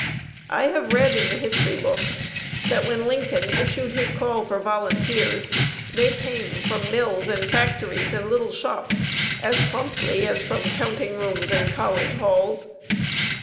I have read in the history books that when Lincoln issued his call for volunteers, they came from mills and factories and little shops as promptly as from counting rooms and college halls.